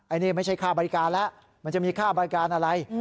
อันนี้ไม่ใช่ค่าบริการแล้วมันจะมีค่าบริการอะไร